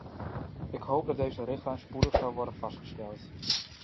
Ik hoop dat deze richtlijn spoedig zal worden vastgesteld.